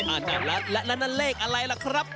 อาจาระแล้วนั่นเลขอะไรล่ะครับ